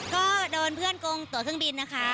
ก็โดนเพื่อนโกงตัวเครื่องบินนะคะ